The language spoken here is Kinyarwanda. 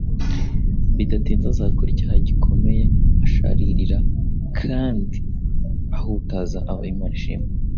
bidatinze azakora icyaha gikomeye asharirira kandi ahutaza abo Imana ishima.